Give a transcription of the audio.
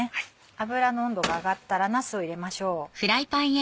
油の温度が上がったらなすを入れましょう。